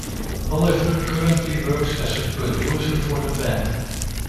Oliver currently works as a producer for the band.